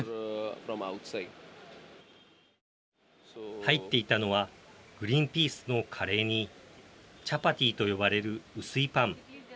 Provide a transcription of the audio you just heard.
入っていたのはグリーンピースのカレーにチャパティと呼ばれる薄いパン。